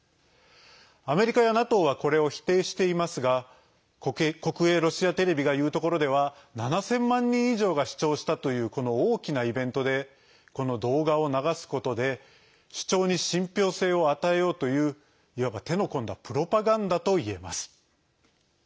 アメリカやＮＡＴＯはこれを否定していますが国営ロシアテレビがいうところでは７０００万人以上が視聴したというこの大きなイベントでこの動画を流すことで、主張に信ぴょう性を与えようといういわば手の込んだプロパガンダといえます。